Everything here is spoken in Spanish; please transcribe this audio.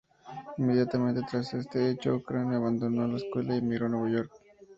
Inmediatamente tras este hecho, Crane abandonó la escuela y emigró a Nueva York.